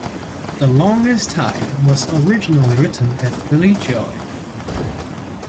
"The Longest Time" was originally written by Billy Joel.